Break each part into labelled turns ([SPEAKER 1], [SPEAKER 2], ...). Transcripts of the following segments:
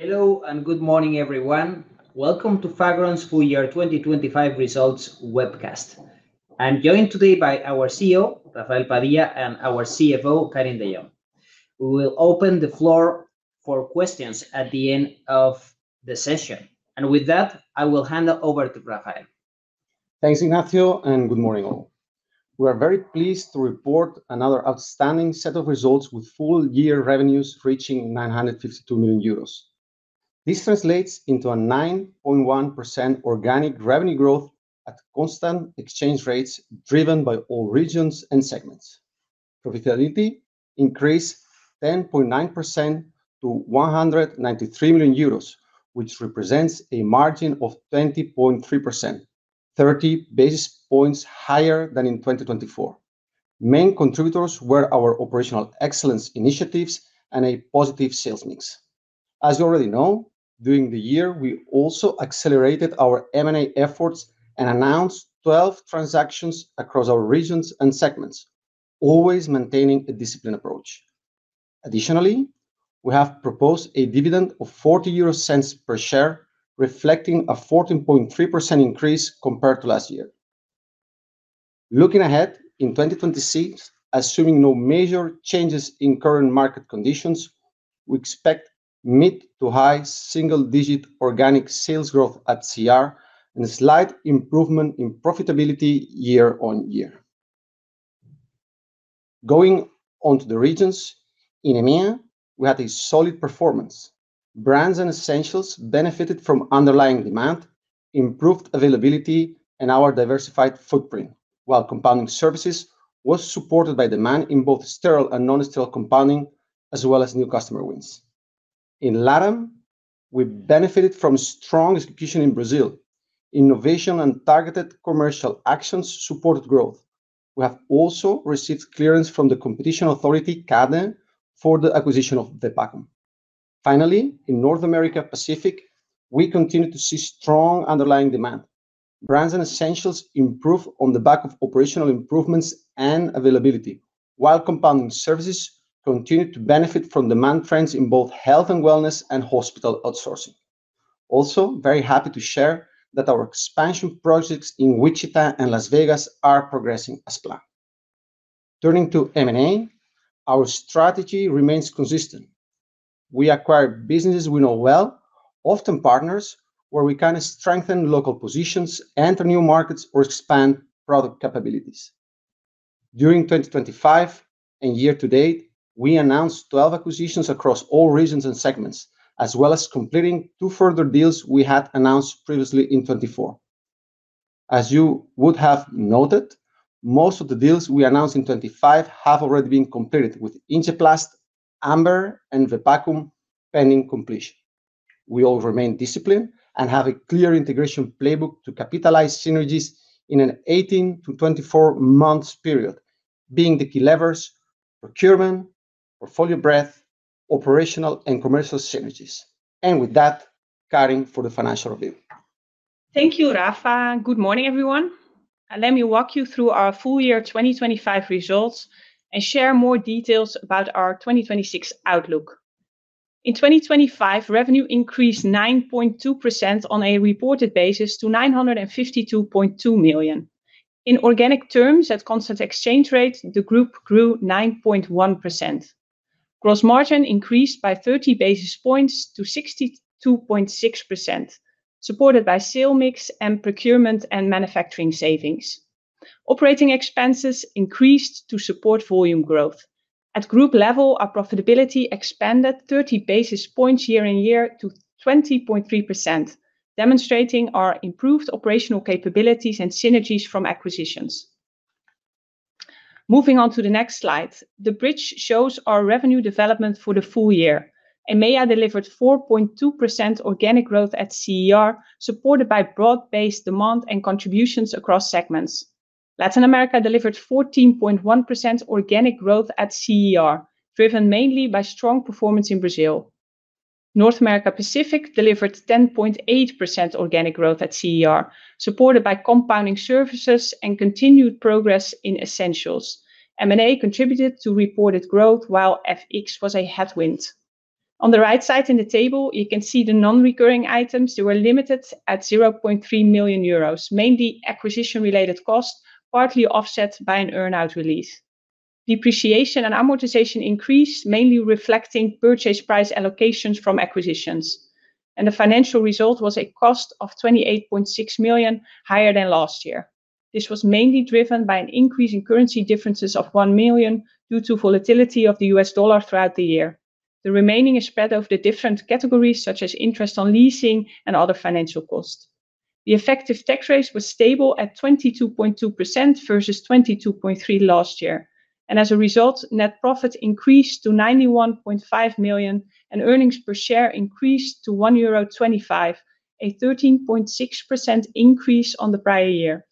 [SPEAKER 1] Hello, and good morning, everyone. Welcome to Fagron's Full Year 2025 Results Webcast. I'm joined today by our CEO, Rafael Padilla, and our CFO, Karin de Jong. We will open the floor for questions at the end of the session. With that, I will hand it over to Rafael.
[SPEAKER 2] Thanks, Ignacio, and good morning, all. We are very pleased to report another outstanding set of results, with full year revenues reaching 952 million euros. This translates into a 9.1% organic revenue growth at constant exchange rates, driven by all regions and segments. Profitability increased 10.9% to 193 million euros, which represents a margin of 20.3%, 30 basis points higher than in 2024. Main contributors were our operational excellence initiatives and a positive sales mix. As you already know, during the year, we also accelerated our M&A efforts and announced 12 transactions across our regions and segments, always maintaining a disciplined approach. Additionally, we have proposed a dividend of 0.40 per share, reflecting a 14.3% increase compared to last year. Looking ahead, in 2026, assuming no major changes in current market conditions, we expect mid- to high single-digit organic sales growth at CER and a slight improvement in profitability year-on-year. Going on to the regions, in EMEA, we had a solid performance. Brands and essentials benefited from underlying demand, improved availability, and our diversified footprint, while compounding services was supported by demand in both sterile and non-sterile compounding, as well as new customer wins. In LATAM, we benefited from strong execution in Brazil. Innovation and targeted commercial actions supported growth. We have also received clearance from the competition authority, CADE, for the acquisition of the Vepacum. Finally, in North America Pacific, we continue to see strong underlying demand. Brands and essentials improve on the back of operational improvements and availability, while compounding services continue to benefit from demand trends in both health and wellness and hospital outsourcing. Also, very happy to share that our expansion projects in Wichita and Las Vegas are progressing as planned. Turning to M&A, our strategy remains consistent. We acquire businesses we know well, often partners, where we can strengthen local positions, enter new markets, or expand product capabilities. During 2025 and year to date, we announced 12 acquisitions across all regions and segments, as well as completing two further deals we had announced previously in 2024. As you would have noted, most of the deals we announced in 2025 have already been completed, with Injeplast, Amber, and Vepacum pending completion. We all remain disciplined and have a clear integration playbook to capitalize synergies in an 18-24 months period, being the key levers: procurement, portfolio breadth, operational and commercial synergies. And with that, Karin for the financial review.
[SPEAKER 3] Thank you, Rafa. Good morning, everyone. Let me walk you through our full year 2025 results and share more details about our 2026 outlook. In 2025, revenue increased 9.2% on a reported basis to 952.2 million. In organic terms, at constant exchange rates, the group grew 9.1%. Gross margin increased by 30 basis points to 62.6%, supported by sales mix and procurement and manufacturing savings. Operating expenses increased to support volume growth. At group level, our profitability expanded 30 basis points year-on-year to 20.3%, demonstrating our improved operational capabilities and synergies from acquisitions. Moving on to the next slide. The bridge shows our revenue development for the full year. EMEA delivered 4.2% organic growth at CER, supported by broad-based demand and contributions across segments. Latin America delivered 14.1% organic growth at CER, driven mainly by strong performance in Brazil. North America Pacific delivered 10.8% organic growth at CER, supported by compounding services and continued progress in essentials. M&A contributed to reported growth, while FX was a headwind. On the right side in the table, you can see the non-recurring items. They were limited at 0.3 million euros, mainly acquisition-related costs, partly offset by an earn-out release. Depreciation and amortization increased, mainly reflecting purchase price allocations from acquisitions, and the financial result was a cost of 28.6 million, higher than last year. This was mainly driven by an increase in currency differences of 1 million due to volatility of the US dollar throughout the year. The remaining is spread over the different categories, such as interest on leasing and other financial costs. The effective tax rate was stable at 22.2% versus 22.3% last year. And as a result, net profit increased to 91.5 million, and earnings per share increased to €1.25, a 13.6% increase on the prior year.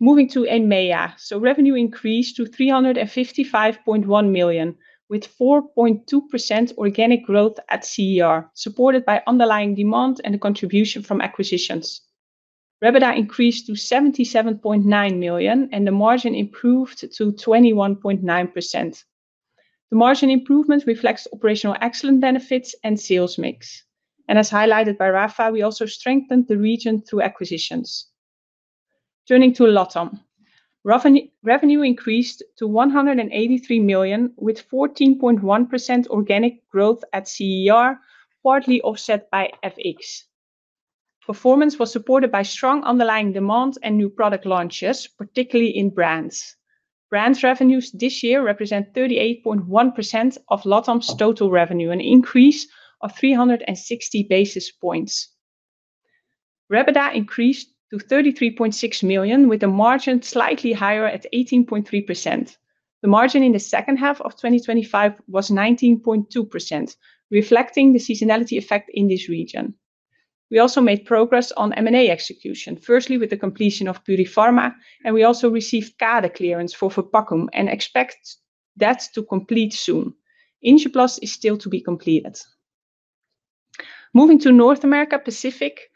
[SPEAKER 3] Moving to EMEA. Revenue increased to 355.1 million, with 4.2% organic growth at CER, supported by underlying demand and contribution from acquisitions.... REBITDA increased to 77.9 million, and the margin improved to 21.9%. The margin improvement reflects operational excellence benefits and sales mix. And as highlighted by Rafa, we also strengthened the region through acquisitions. Turning to LATAM. Revenue increased to 183 million, with 14.1% organic growth at CER, partly offset by FX. Performance was supported by strong underlying demand and new product launches, particularly in brands. Brands revenues this year represent 38.1% of LATAM's total revenue, an increase of 360 basis points. REBITDA increased to 33.6 million, with a margin slightly higher at 18.3%. The margin in the second half of 2025 was 19.2%, reflecting the seasonality effect in this region. We also made progress on M&A execution, firstly with the completion of Purifarma, and we also received CADE clearance for Vepacum, and expect that to complete soon. Injeplast is still to be completed. Moving to North America Pacific,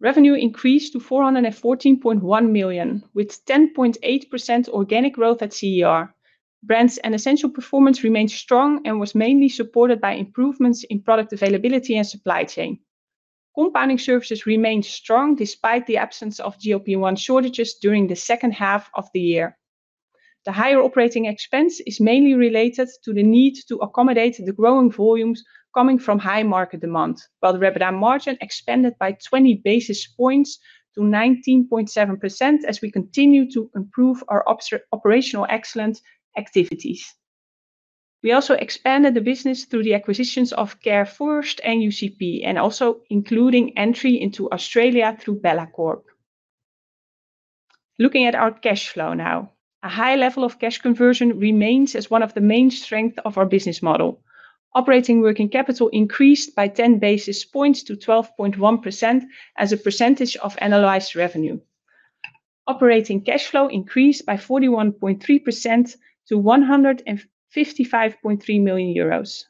[SPEAKER 3] revenue increased to 414.1 million, with 10.8% organic growth at CER. Brands and essential performance remained strong and was mainly supported by improvements in product availability and supply chain. Compounding services remained strong despite the absence of GLP-1 shortages during the second half of the year. The higher operating expense is mainly related to the need to accommodate the growing volumes coming from high market demand, while the recurring EBITDA margin expanded by 20 basis points to 19.7% as we continue to improve our operational excellence activities. We also expanded the business through the acquisitions of CareFirst and UCP, and also including entry into Australia through Bellacorp. Looking at our cash flow now. A high level of cash conversion remains as one of the main strength of our business model. Operating working capital increased by 10 basis points to 12.1% as a percentage of analyzed revenue. Operating cash flow increased by 41.3% to 155.3 million euros.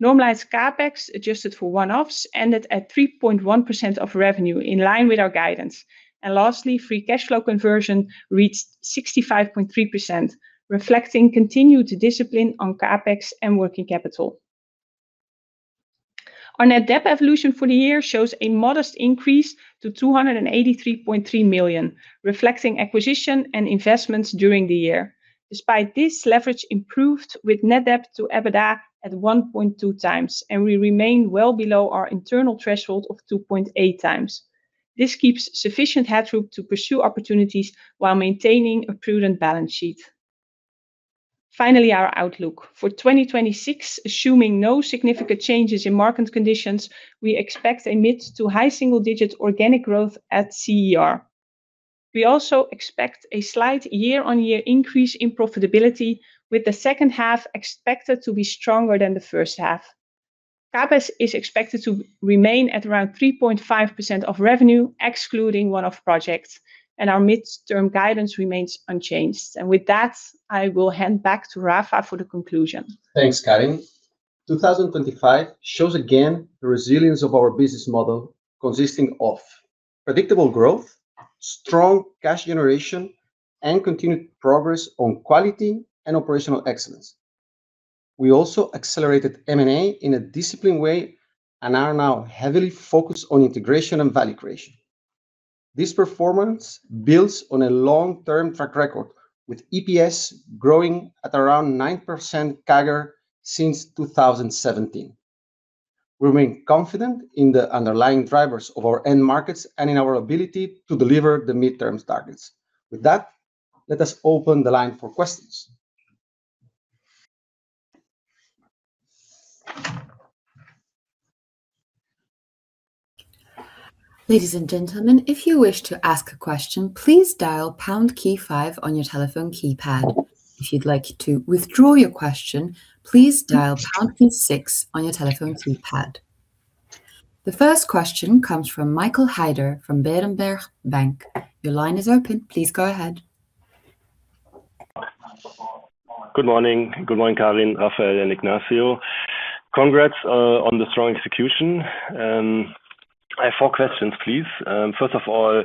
[SPEAKER 3] Normalized CapEx, adjusted for one-offs, ended at 3.1% of revenue, in line with our guidance. And lastly, free cash flow conversion reached 65.3%, reflecting continued discipline on CapEx and working capital. Our net debt evolution for the year shows a modest increase to 283.3 million, reflecting acquisition and investments during the year. Despite this, leverage improved with net debt to EBITDA at 1.2x, and we remain well below our internal threshold of 2.8x. This keeps sufficient headroom to pursue opportunities while maintaining a prudent balance sheet. Finally, our outlook. For 2026, assuming no significant changes in market conditions, we expect a mid to high single-digit organic growth at CER. We also expect a slight year-on-year increase in profitability, with the second half expected to be stronger than the first half. CapEx is expected to remain at around 3.5% of revenue, excluding one-off projects, and our midterm guidance remains unchanged. With that, I will hand back to Rafa for the conclusion.
[SPEAKER 2] Thanks, Karin. 2025 shows again the resilience of our business model, consisting of predictable growth, strong cash generation, and continued progress on quality and operational excellence. We also accelerated M&A in a disciplined way and are now heavily focused on integration and value creation. This performance builds on a long-term track record, with EPS growing at around 9% CAGR since 2017. We remain confident in the underlying drivers of our end markets and in our ability to deliver the mid-term targets. With that, let us open the line for questions.
[SPEAKER 4] Ladies and gentlemen, if you wish to ask a question, please dial pound key five on your telephone keypad. If you'd like to withdraw your question, please dial pound key six on your telephone keypad. The first question comes from Michael Heider from Berenberg Bank. Your line is open. Please go ahead.
[SPEAKER 5] Good morning. Good morning, Karin, Rafael, and Ignacio. Congrats on the strong execution. I have four questions, please. First of all,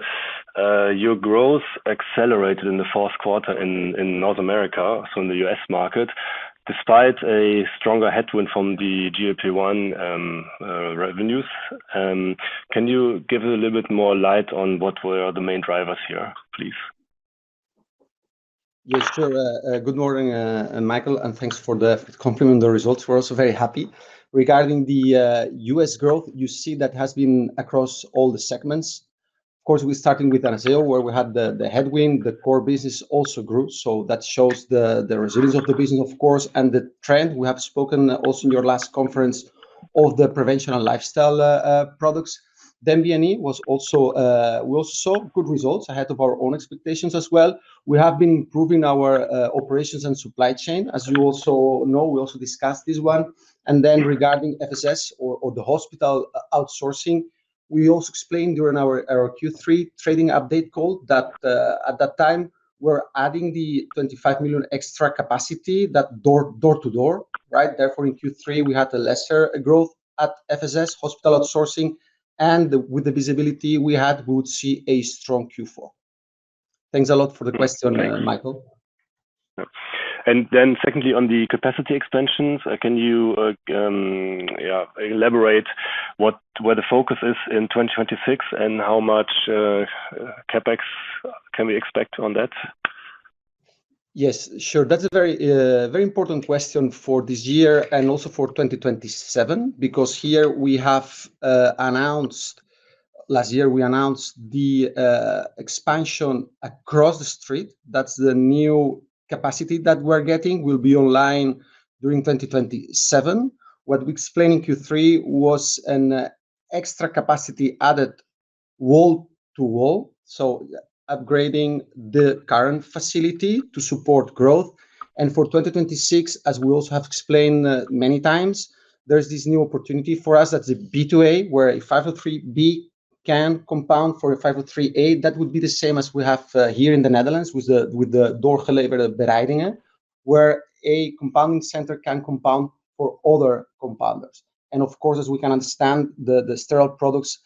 [SPEAKER 5] your growth accelerated in the fourth quarter in North America, so in the U.S. market, despite a stronger headwind from the GLP-1 revenues. Can you give a little bit more light on what were the main drivers here, please?
[SPEAKER 2] Yes, sure. Good morning, Michael, and thanks for the compliment on the results. We're also very happy. Regarding the U.S. growth, you see that has been across all the segments. Of course, we're starting with AnazaoHealth, where we had the headwind, the core business also grew, so that shows the resilience of the business, of course. And the trend, we have spoken also in your last conference, of the prevention and lifestyle products. Then B&E was also, we saw good results ahead of our own expectations as well. We have been improving our operations and supply chain. As you also know, we also discussed this one. And then regarding FSS or the hospital outsourcing, we also explained during our Q3 trading update call that, at that time, we're adding the 25 million extra capacity, that door-to-door, right? Therefore, in Q3, we had a lesser growth at FSS hospital outsourcing, and with the visibility we had, we would see a strong Q4.... Thanks a lot for the question, Michael.
[SPEAKER 5] Secondly, on the capacity extensions, can you elaborate where the focus is in 2026, and how much CapEx can we expect on that?
[SPEAKER 2] Yes, sure. That's a very, very important question for this year and also for 2027, because here we have announced. Last year, we announced the expansion across the street. That's the new capacity that we're getting, will be online during 2027. What we explained in Q3 was an extra capacity added wall to wall, so upgrading the current facility to support growth. And for 2026, as we also have explained many times, there's this new opportunity for us. That's a B2A, where a 503B can compound for a 503A. That would be the same as we have here in the Netherlands with the 503 label requirement, where a compounding center can compound for other compounders. Of course, as we can understand, the sterile products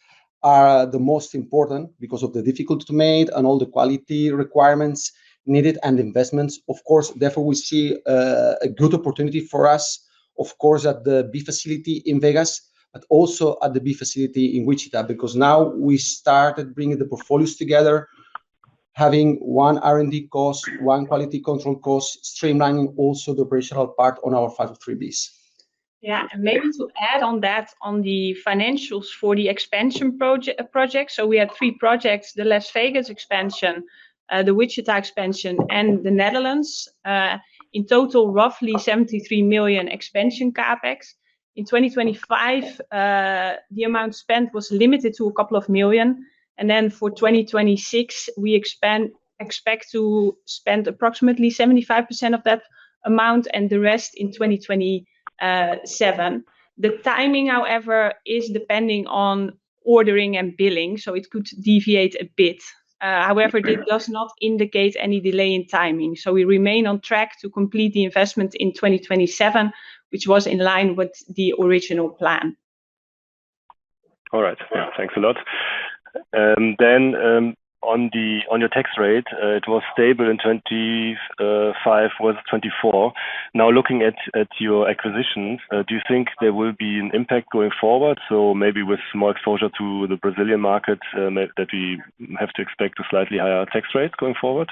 [SPEAKER 2] are the most important because of the difficulty to make and all the quality requirements needed and investments. Of course, therefore, we see a good opportunity for us, of course, at the B facility in Vegas, but also at the B facility in Wichita, because now we started bringing the portfolios together, having one R&D cost, one quality control cost, streamlining also the operational part on our 503Bs.
[SPEAKER 3] Yeah, and maybe to add on that, on the financials for the expansion project. So we had three projects: the Las Vegas expansion, the Wichita expansion, and the Netherlands. In total, roughly 73 million expansion CapEx. In 2025, the amount spent was limited to a couple of million, and then for 2026, we expect to spend approximately 75% of that amount, and the rest in 2027. The timing, however, is depending on ordering and billing, so it could deviate a bit. However, it does not indicate any delay in timing, so we remain on track to complete the investment in 2027, which was in line with the original plan.
[SPEAKER 5] All right. Yeah, thanks a lot. Then, on your tax rate, it was stable in 2025 was 24. Now, looking at your acquisitions, do you think there will be an impact going forward? So maybe with more exposure to the Brazilian market, that we have to expect a slightly higher tax rate going forward?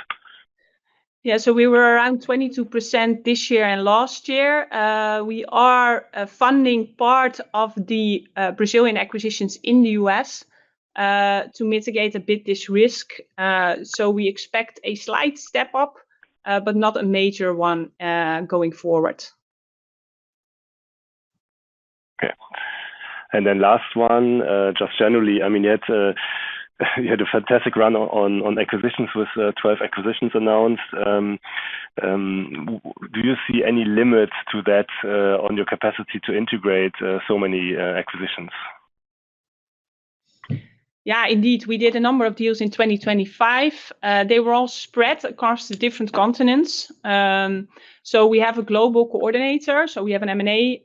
[SPEAKER 3] Yeah. So we were around 22% this year and last year. We are funding part of the Brazilian acquisitions in the US to mitigate a bit this risk. So we expect a slight step up but not a major one going forward.
[SPEAKER 5] Okay. And then last one, just generally, I mean, you had, you had a fantastic run on, on acquisitions, with 12 acquisitions announced. Do you see any limits to that, on your capacity to integrate so many acquisitions?
[SPEAKER 3] Yeah, indeed. We did a number of deals in 2025. They were all spread across the different continents. So we have a global coordinator, so we have an M&A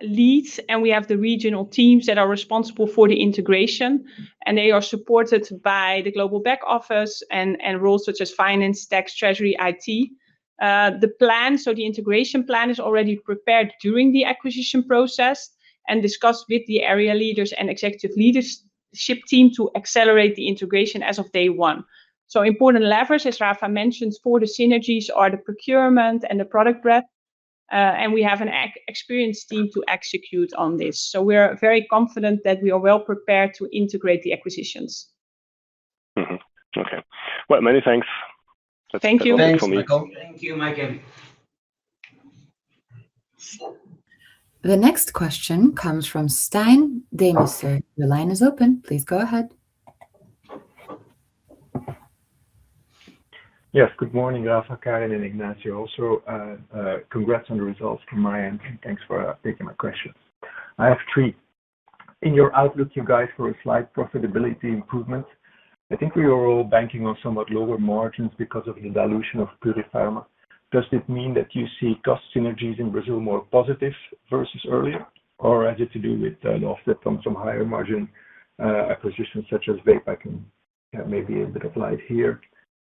[SPEAKER 3] lead, and we have the regional teams that are responsible for the integration, and they are supported by the global back office and roles such as finance, tax, treasury, IT. The plan, so the integration plan is already prepared during the acquisition process and discussed with the area leaders and executive leadership team to accelerate the integration as of day one. So important leverage, as Rafa mentions, for the synergies are the procurement and the product rep, and we have an experienced team to execute on this. So we are very confident that we are well prepared to integrate the acquisitions.
[SPEAKER 5] Mm-hmm. Okay. Well, many thanks.
[SPEAKER 3] Thank you.
[SPEAKER 2] Thanks, Michael. Thank you, Michael.
[SPEAKER 4] The next question comes from Stijn Demeester. Your line is open. Please go ahead.
[SPEAKER 6] Yes. Good morning, Rafa, Karin, and Ignacio. Also, congrats on the results from my end, and thanks for taking my questions. I have three. In your outlook, you guys, for a slight profitability improvement, I think we are all banking on somewhat lower margins because of the dilution of Purifarma. Does it mean that you see cost synergies in Brazil more positive versus earlier, or has it to do with an offset from some higher margin acquisitions such as Vepakum? I can maybe a bit of light here.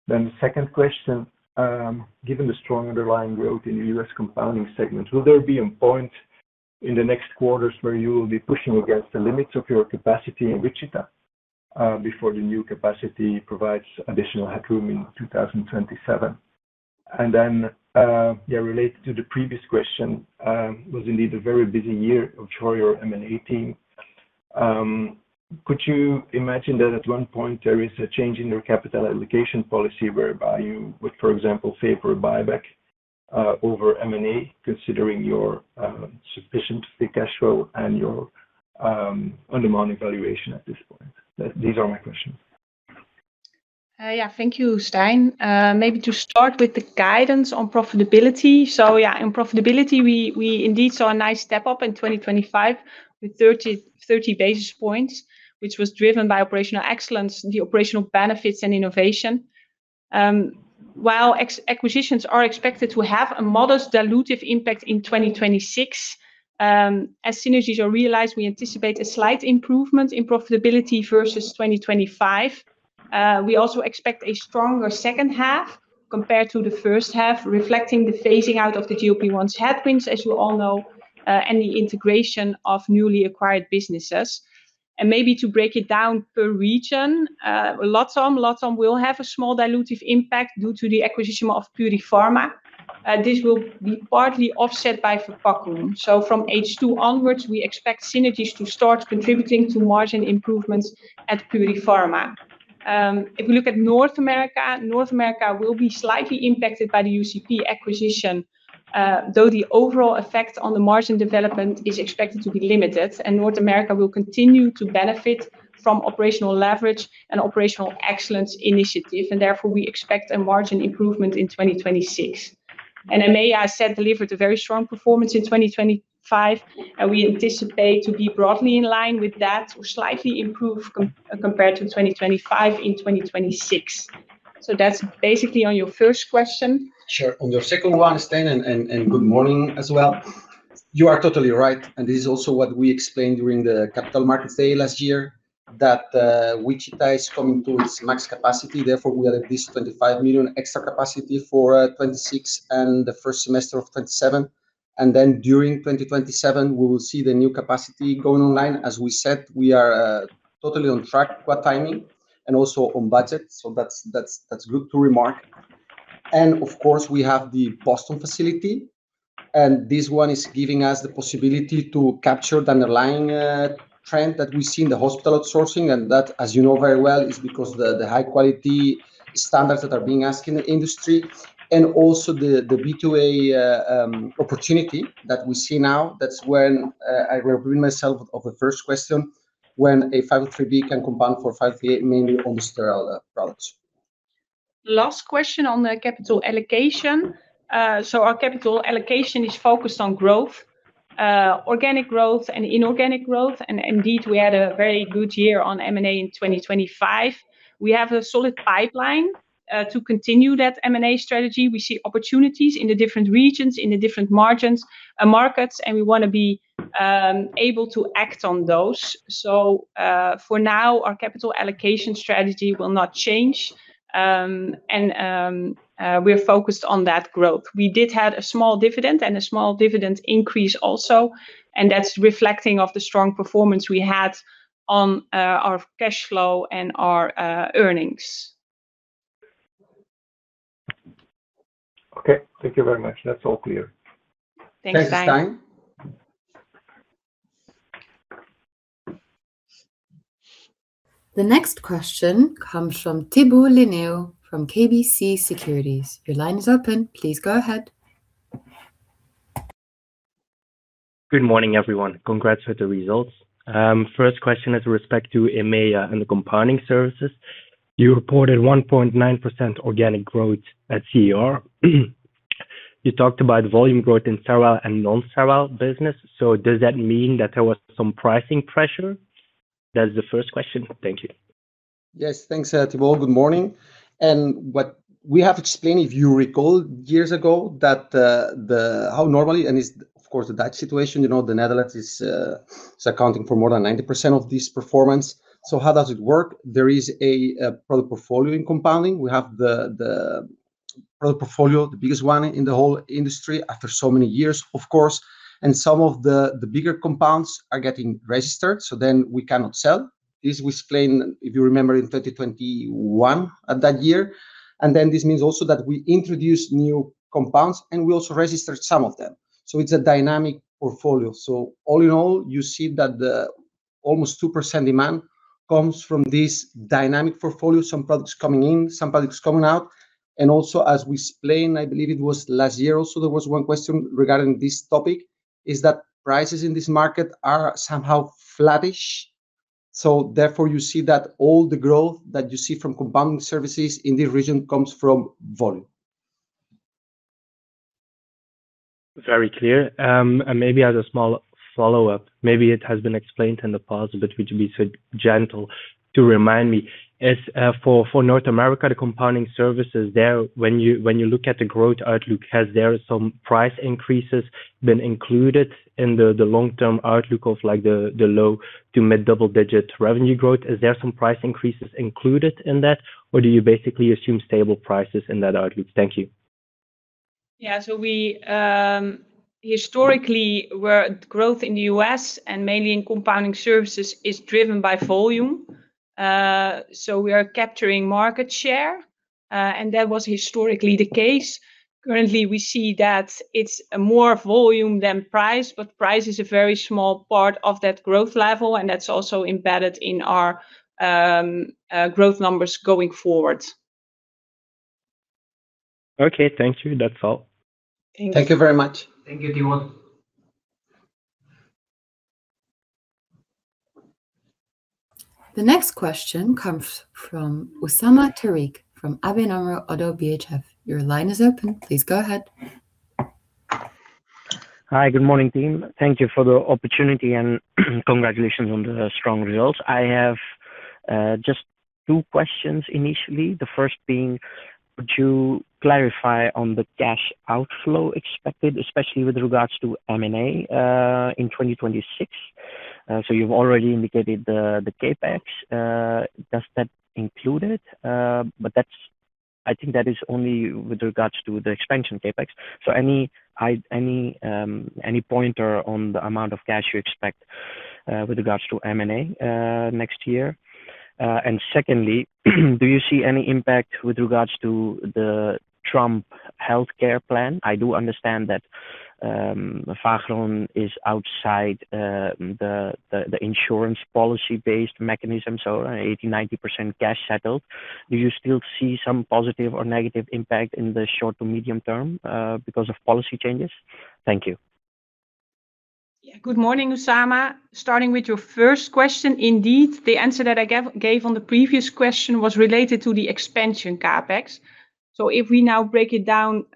[SPEAKER 6] Then the second question, given the strong underlying growth in the U.S. compounding segment, will there be a point in the next quarters where you will be pushing against the limits of your capacity in Wichita, before the new capacity provides additional headroom in 2027? Then, yeah, related to the previous question, it was indeed a very busy year for our M&A team. Could you imagine that at one point there is a change in your capital allocation policy, whereby you would, for example, favor a buyback over M&A, considering your sufficient free cash flow and your undemanding valuation at this point? These are my questions.
[SPEAKER 3] Yeah. Thank you, Stijn. Maybe to start with the guidance on profitability. So yeah, in profitability, we indeed saw a nice step up in 2025 with 30 basis points, which was driven by operational excellence, the operational benefits and innovation. While ex-acquisitions are expected to have a modest dilutive impact in 2026, as synergies are realized, we anticipate a slight improvement in profitability versus 2025. We also expect a stronger second half compared to the first half, reflecting the phasing out of the GLP-1s headwinds, as you all know, and the integration of newly acquired businesses. Maybe to break it down per region, LatAm. LatAm will have a small dilutive impact due to the acquisition of Purifarma, and this will be partly offset by Vepacum. So from H2 onwards, we expect synergies to start contributing to margin improvements at Purifarma. If we look at North America, North America will be slightly impacted by the UCP acquisition, though the overall effect on the margin development is expected to be limited, and North America will continue to benefit from operational leverage and operational excellence initiative. And therefore, we expect a margin improvement in 2026. And EMEA, I said, delivered a very strong performance in 2025, and we anticipate to be broadly in line with that or slightly improved compared to 2025 in 2026. So that's basically on your first question.
[SPEAKER 2] Sure. On your second one, Stijn, and good morning as well. You are totally right, and this is also what we explained during the Capital Markets Day last year, that Wichita is coming to its max capacity. Therefore, we had at least 25 million extra capacity for 2026 and the first semester of 2027. And then during 2027, we will see the new capacity going online. As we said, we are totally on track with timing and also on budget, so that's good to remark. And of course, we have the Boston facility, and this one is giving us the possibility to capture the underlying trend that we see in the hospital outsourcing. That, as you know very well, is because the high-quality standards that are being asked in the industry and also the B2A opportunity that we see now. That's when I will remind myself of the first question, when a 503B can compound for 503A, mainly on sterile products.
[SPEAKER 3] Last question on the capital allocation. So our capital allocation is focused on growth, organic growth and inorganic growth, and indeed, we had a very good year on M&A in 2025. We have a solid pipeline to continue that M&A strategy. We see opportunities in the different regions, in the different margins, markets, and we wanna be able to act on those. So, for now, our capital allocation strategy will not change, and we're focused on that growth. We did have a small dividend and a small dividend increase also, and that's reflecting of the strong performance we had on our cash flow and our earnings.
[SPEAKER 6] Okay, thank you very much. That's all clear.
[SPEAKER 3] Thanks.
[SPEAKER 2] Thanks, Stijn.
[SPEAKER 4] The next question comes from Thibault Leneeuw from KBC Securities. Your line is open. Please go ahead.
[SPEAKER 7] Good morning, everyone. Congrats with the results. First question is with respect to EMEA and the compounding services. You reported 1.9% organic growth at CER. You talked about volume growth in sterile and non-sterile business. So does that mean that there was some pricing pressure? That's the first question. Thank you.
[SPEAKER 2] Yes, thanks, Thibault. Good morning. What we have explained, if you recall years ago, that how normally, and it's, of course, the Dutch situation, you know, the Netherlands is accounting for more than 90% of this performance. So how does it work? There is a product portfolio in compounding. We have the product portfolio, the biggest one in the whole industry after so many years, of course, and some of the bigger compounds are getting registered, so then we cannot sell. This we explained, if you remember, in 2021, at that year. And then this means also that we introduced new compounds, and we also registered some of them. So it's a dynamic portfolio. So all in all, you see that the almost 2% demand comes from this dynamic portfolio, some products coming in, some products coming out. Also, as we explained, I believe it was last year also, there was one question regarding this topic, is that prices in this market are somehow flattish. So therefore, you see that all the growth that you see from compounding services in this region comes from volume.
[SPEAKER 7] Very clear. And maybe as a small follow-up, maybe it has been explained in the past, but would you be so gentle to remind me. As for North America, the compounding services there, when you look at the growth outlook, has there some price increases been included in the long-term outlook of, like, the low to mid-double-digit revenue growth? Is there some price increases included in that, or do you basically assume stable prices in that outlook? Thank you.
[SPEAKER 3] Yeah. So we, historically, where growth in the U.S., and mainly in compounding services, is driven by volume. So we are capturing market share, and that was historically the case. Currently, we see that it's more volume than price, but price is a very small part of that growth level, and that's also embedded in our, growth numbers going forward.
[SPEAKER 7] Okay. Thank you. That's all.
[SPEAKER 3] Thanks.
[SPEAKER 2] Thank you very much. Thank you, Thibault.
[SPEAKER 4] The next question comes from Usama Tariq from ABN AMRO Oddo BHF. Your line is open. Please go ahead.
[SPEAKER 8] Hi, good morning, team. Thank you for the opportunity, and congratulations on the strong results. I have just two questions initially. The first being, could you clarify on the cash outflow expected, especially with regards to M&A in 2026? So you've already indicated the CapEx, does that include it? But that's. I think that is only with regards to the expansion CapEx. So any pointer on the amount of cash you expect with regards to M&A next year? And secondly, do you see any impact with regards to the Trump healthcare plan? I do understand that Fagron is outside the insurance policy-based mechanism, so 80%-90% cash settled. Do you still see some positive or negative impact in the short to medium term because of policy changes? Thank you.
[SPEAKER 3] Yeah. Good morning, Usama. Starting with your first question, indeed, the answer that I gave on the previous question was related to the expansion CapEx. So if we now break it down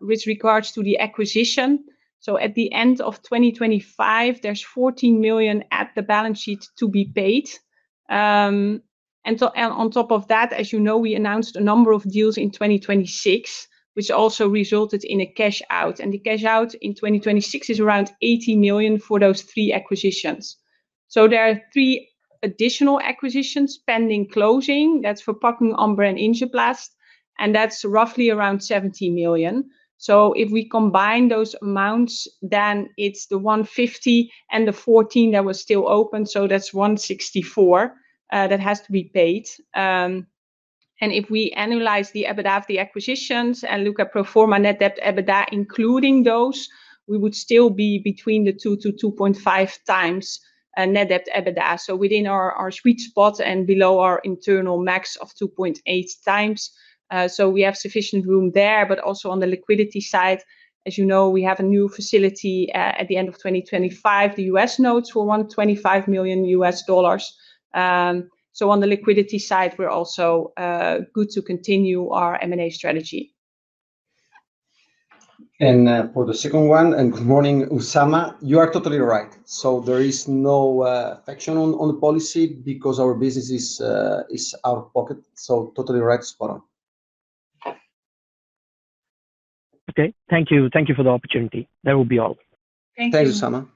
[SPEAKER 3] with regards to the acquisition, so at the end of 2025, there's 14 million at the balance sheet to be paid. And so, and on top of that, as you know, we announced a number of deals in 2026, which also resulted in a cash out, and the cash out in 2026 is around 80 million for those three acquisitions. So there are three additional acquisitions pending closing. That's for Vepacum, Amber, and Injeplast, and that's roughly around 70 million. So if we combine those amounts, then it's the 150 and the 14 that was still open, so that's 164 that has to be paid. And if we analyze the EBITDA of the acquisitions and look at pro forma net debt EBITDA, including those, we would still be between 2-2.5x net debt EBITDA. So within our sweet spot and below our internal max of 2.8x. So we have sufficient room there, but also on the liquidity side, as you know, we have a new facility at the end of 2025. The US notes were $125 million. So on the liquidity side, we're also good to continue our M&A strategy.
[SPEAKER 2] For the second one, and good morning, Usama. You are totally right. So there is no action on the policy because our business is out of pocket. So totally right, spot on.
[SPEAKER 8] Okay. Thank you. Thank you for the opportunity. That will be all.
[SPEAKER 3] Thank you.
[SPEAKER 1] Thanks, Usama.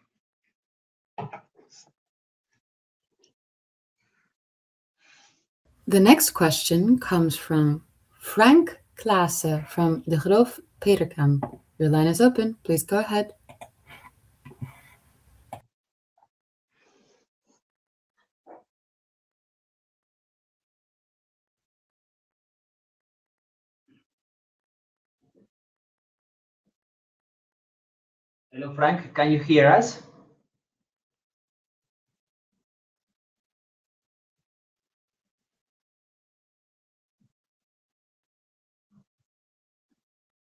[SPEAKER 4] The next question comes from Frank Claassen from Degroof Petercam. Your line is open. Please go ahead.
[SPEAKER 1] Hello, Frank, can you hear us?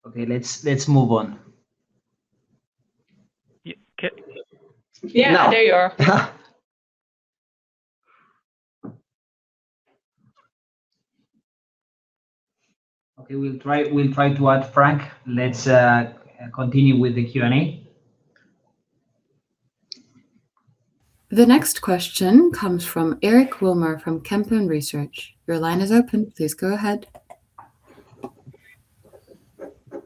[SPEAKER 1] Okay, let's move on.
[SPEAKER 3] Yeah, there you are.
[SPEAKER 1] Okay, we'll try, we'll try to add Frank. Let's continue with the Q&A.
[SPEAKER 4] The next question comes from Eric Wilmer from Kempen Research. Your line is open. Please go ahead.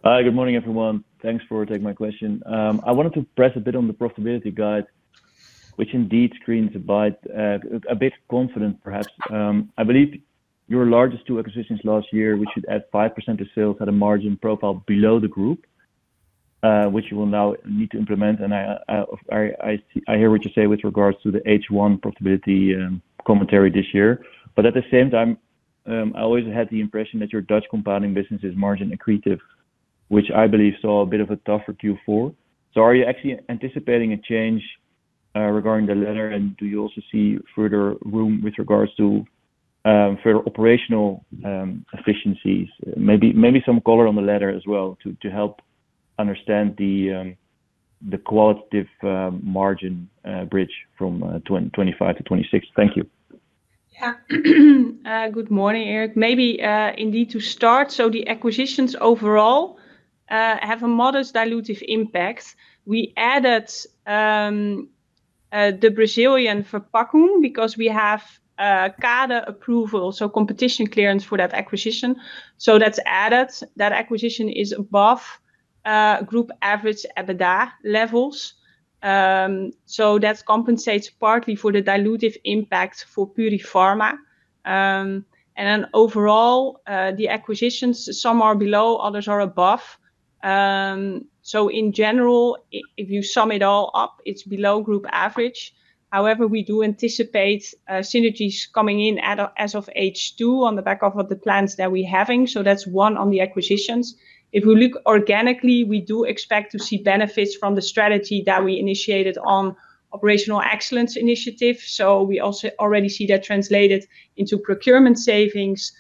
[SPEAKER 9] Hi, good morning, everyone. Thanks for taking my question. I wanted to press a bit on the profitability guide, which indeed screams but, a bit confident, perhaps. I believe your largest two acquisitions last year, which should add 5% of sales at a margin profile below the group, which you will now need to implement, and I hear what you say with regards to the H1 profitability, commentary this year. But at the same time, I always had the impression that your Dutch compounding business is margin accretive, which I believe saw a bit of a tougher Q4. So are you actually anticipating a change, regarding the latter, and do you also see further room with regards to, further operational, efficiencies? Maybe, maybe some color on the latter as well to help understand the qualitative margin bridge from 2025 to 2026. Thank you.
[SPEAKER 3] Yeah. Good morning, Eric. Maybe, indeed, to start, so the acquisitions overall have a modest dilutive impact. We added the Brazilian Vepacum because we have a CADE approval, so competition clearance for that acquisition. So that's added. That acquisition is above group average EBITDA levels. So that compensates partly for the dilutive impact for Purifarma. And then overall, the acquisitions, some are below, others are above. So in general, if you sum it all up, it's below group average. However, we do anticipate synergies coming in as of H2 on the back of the plans that we're having. So that's one on the acquisitions. If we look organically, we do expect to see benefits from the strategy that we initiated on operational excellence initiative, so we also already see that translated into procurement savings,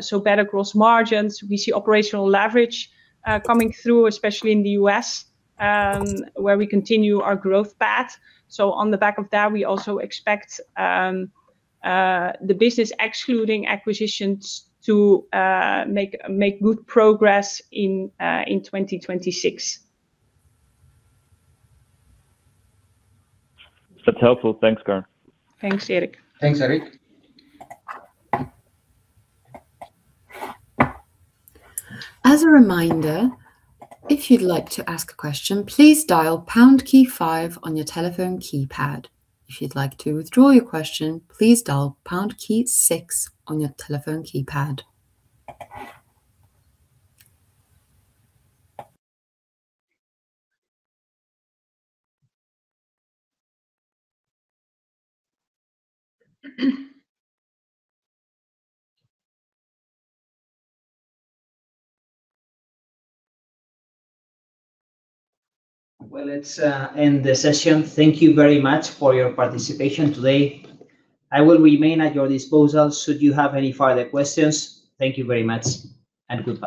[SPEAKER 3] so better gross margins. We see operational leverage, coming through, especially in the US, where we continue our growth path. So on the back of that, we also expect, the business, excluding acquisitions, to, make good progress in, in 2026.
[SPEAKER 9] That's helpful. Thanks, Karen.
[SPEAKER 3] Thanks, Eric.
[SPEAKER 1] Thanks, Eric.
[SPEAKER 4] As a reminder, if you'd like to ask a question, please dial pound key five on your telephone keypad. If you'd like to withdraw your question, please dial pound key six on your telephone keypad.
[SPEAKER 1] Well, let's end the session. Thank you very much for your participation today. I will remain at your disposal should you have any further questions. Thank you very much, and goodbye.